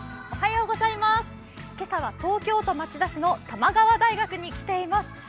今朝は東京都町田市の玉川大学に来ています。